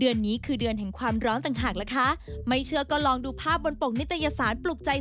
ออกแนวเซ็กซี่